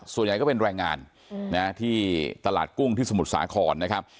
ส่วนใหญ่ก็เป็นแรงงานที่ตลาดกุ้งที่สมุทรสาครนะครับ